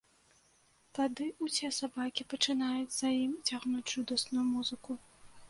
Тады ўсе сабакі пачынаюць за ім цягнуць жудасную музыку.